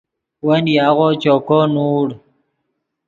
ون یاغو چوکو نوڑ